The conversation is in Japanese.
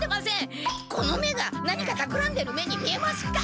この目が何かたくらんでる目に見えますか？